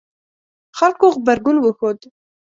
خلکو غبرګون وښود